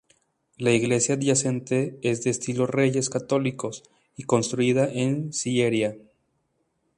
La iglesia adyacente es de estilo Reyes Católicos, construida en sillería.